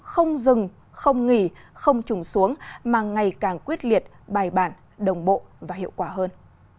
không dừng không nghỉ không trùng xuống mà ngày càng quyết liệt bài bản đồng bộ và hiệu quả hơn